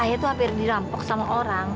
ayah tuh hampir dirampok sama orang